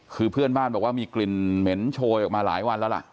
คือเพื่อนบ้านบอกว่ามีกลิ่นเหม็นโชยออกมาหลายวันแล้วล่ะ